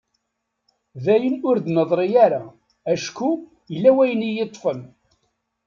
D ayen ur d-neḍri ara acku yella wayen i yi-yeṭṭfen.